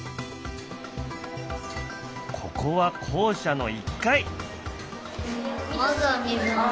ここは校舎の１階。